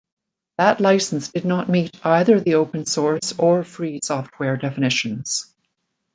That license did not meet either the open source or free software definitions.